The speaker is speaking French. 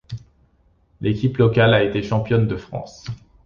L'équipe locale a été championne de France.